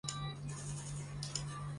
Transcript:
这里也有可萨汗国的宫殿。